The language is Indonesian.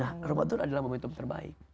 nah ramadan adalah momentum terbaik